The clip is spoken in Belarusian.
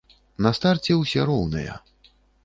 На старце ўсе роўныя.